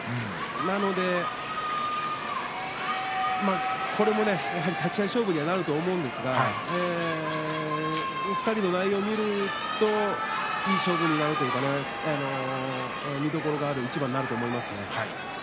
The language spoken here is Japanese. ですから、これも立ち合い勝負になると思うんですが２人の内容を見るといい勝負になるというか見どころがある一番になると思います。